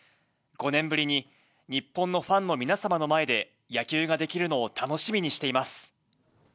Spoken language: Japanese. ５年ぶりに日本のファンの皆様の前で野球ができるのを楽しみにしています。